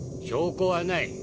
証拠はない。